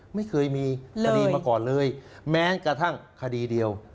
ไม่เคยมีคดีมาก่อนเลยแม้กระทั่งคดีเดียว